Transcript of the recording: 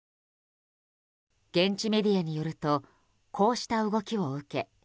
現地メディアによるとこうした動きを受け